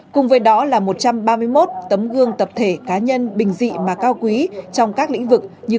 cùng với đó là một trăm ba mươi một tấm gương tập thể cá nhân bình dị mà cao quý trong các lĩnh vực như